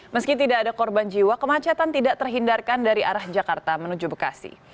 meski tidak ada korban jiwa kemacetan tidak terhindarkan dari arah jakarta menuju bekasi